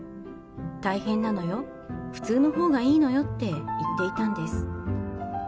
大変なのよ、普通のほうがいいのよって言っていたんです。